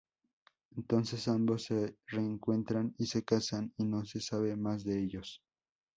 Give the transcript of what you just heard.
Entonces ambos se reencuentran y se casan, y no se sabe más de ellos.